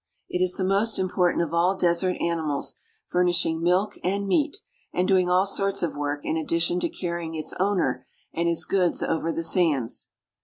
It is the most important of all desert animals, furnishing milk and meat, and doing all sorts of work in addition to carrying its owner and his goods over the sands.